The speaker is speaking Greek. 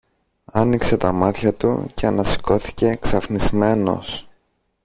Άνοιξε τα μάτια του και ανασηκώθηκε ξαφνισμένος.